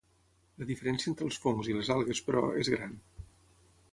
La diferència entre els fongs i les algues, però, és gran.